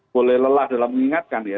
boleh lelah dalam mengingatkan ya